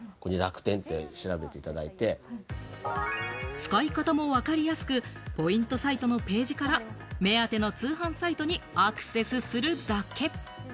使い方もわかりやすく、ポイントサイトのページから目当ての通販サイトにアクセスするだけ。